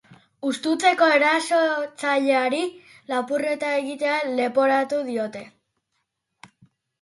Ustezko erasotzaileari lapurreta egitea leporatu diote.